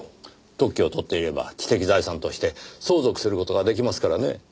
特許を取っていれば知的財産として相続する事が出来ますからね。